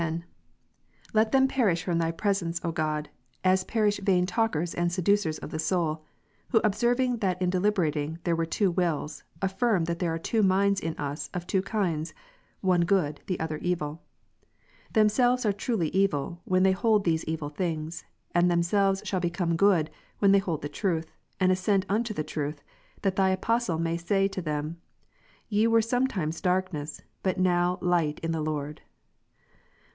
Let them, perish from Thy 2)resence, O God, as ps. 68,2. perish vai7i talkers, and seducers of the soul: who* observing Tit. 1, that in deliberating there were two wills, affirm, that there • are two minds in us of two kinds, one good, the other evil. Themselves are truly evil, when they hold these evil things; and themselves shall become good, when they hold the truth, and assent unto the truth, that Thy Apostle may say to them, Ye ivere sometimes darkness, but now light in the Lord. But Eph.